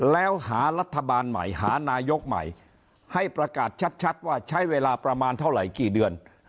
แล้วหารัฐบาลใหม่หานายกใหม่ให้ประกาศชัดว่าใช้เวลาประมาณเท่าไหร่กี่เดือน